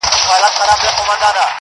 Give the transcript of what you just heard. دا کيږي چي زړه له ياده وباسم .